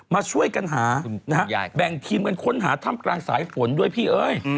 มาช่วยกันหานะฮะแบ่งทีมกันค้นหาถ้ำกลางสายฝนด้วยพี่เอ้ย